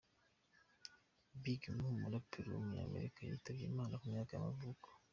Big Moe, umuraperi w’umunyamerika yitabye Imana ku myaka y’amavuko.